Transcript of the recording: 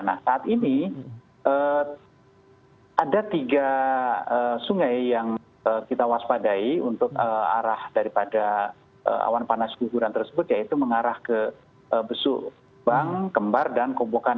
nah saat ini ada tiga sungai yang kita waspadai untuk arah daripada awan panas guguran tersebut yaitu mengarah ke besuk bang kembar dan kobokan